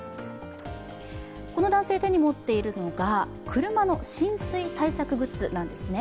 この男性、手に持っているのは、車の浸水対策グッズなんです。